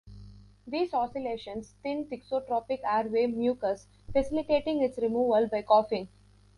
These oscillations thin thixotropic airway mucus, facilitating its removal by coughing.